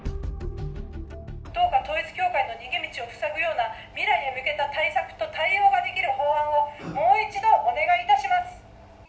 どうか統一教会の逃げ道を塞ぐような、未来へ向けた対策と対応ができる法案を、もう一度お願いいたします。